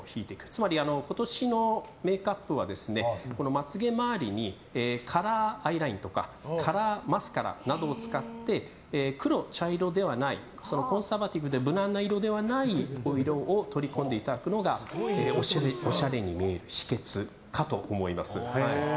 つまり、今年のメイクアップはまつ毛周りにカラーアイラインとかカラーマスカラなどを使って黒、茶色ではないコンサバティブで無難な色ではないお色を取り込んでいただくのがオシャレに見える秘訣かと思います。